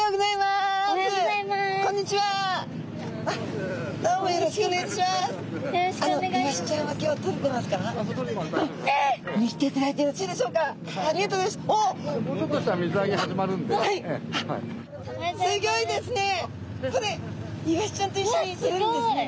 すギョいですね。